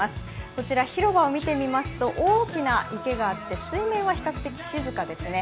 こちら、広場を見てみますと大きな池があって水面は比較的静かですね。